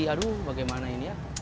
aduh bagaimana ini ya